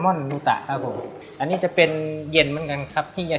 อ๋อต้องคลุกเข้ากับซอสตร์ตัวนี้แล้วก็เครื่องอันสารตรงนี้ให้มา